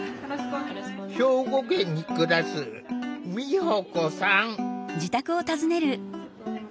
兵庫県に暮らす美保子さん。